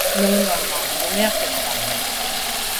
Non é normal, non é aceptable.